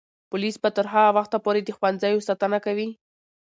پولیس به تر هغه وخته پورې د ښوونځیو ساتنه کوي.